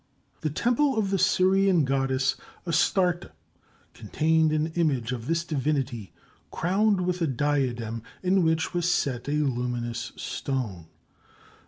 The temple of the Syrian goddess Astarte contained an image of this divinity crowned with a diadem in which was set a luminous stone.